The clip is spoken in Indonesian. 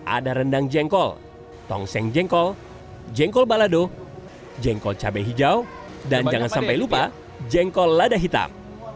ada rendang jengkol tongseng jengkol jengkol balado jengkol cabai hijau dan jangan sampai lupa jengkol lada hitam